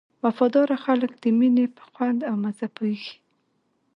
وفاداره خلک د مینې په خوند او مزه پوهېږي.